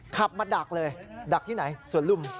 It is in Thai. ขับมาดักเลยดักที่ไหนสวนลุม